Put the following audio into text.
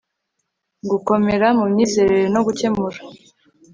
Gukomera mu myizerere no gukemura